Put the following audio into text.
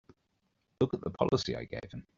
Look at the policy I gave him!